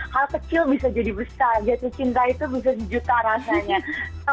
hal kecil bisa jadi besar jatuh cinta itu bisa sejuta rasanya